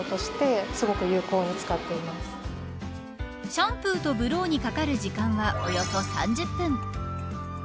シャンプーとブローにかかる時間はおよそ３０分。